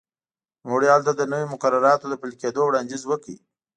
نوموړي هلته د نویو مقرراتو د پلي کېدو وړاندیز وکړ.